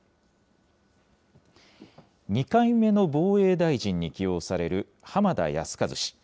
２回目の防衛大臣に起用される浜田靖一氏。